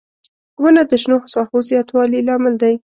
• ونه د شنو ساحو زیاتوالي لامل دی.